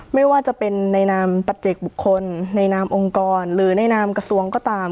ไม่ว่าจะเป็นในนามปัจเจกบุคคลในนามองค์กรหรือในนามกระทรวงก็ตาม